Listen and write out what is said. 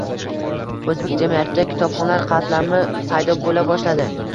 o‘zbek jamiyatida kitobxonlar qatlami paydo bo‘la boshladi.